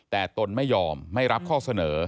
แต่ตนไม่ยอมไม่รับข้อเสนอ